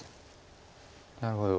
なるほど。